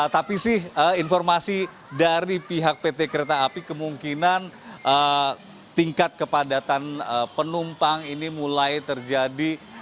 tapi sih informasi dari pihak pt kereta api kemungkinan tingkat kepadatan penumpang ini mulai terjadi